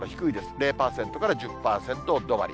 ０％から１０％止まり。